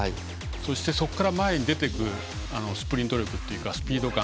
そこから前に出ていくスプリント力というかスピード感。